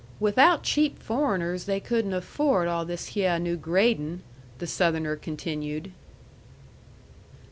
"Without cheap foreigners they couldn't afford all this hyeh new gradin'," the Southerner continued.